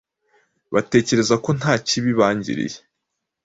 Batekereza ko nta kibi bangiriye,